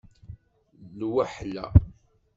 Lwehla